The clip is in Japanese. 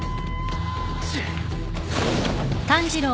チッ。